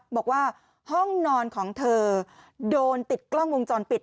บอกว่าห้องนอนของเธอโดนติดกล้องวงจรปิด